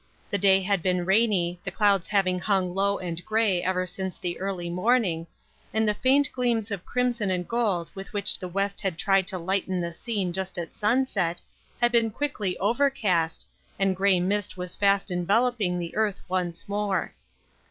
The day had been rainy, the clouds having hung low and gray ever since the early morning, and the faint gleams of crimson and gold with which the west had tried to lighten the scene just at sunset, had been quickly overcast, and gray mist was fast enveloping the earth once more.